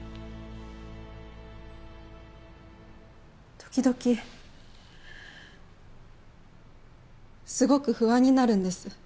時々すごく不安になるんです。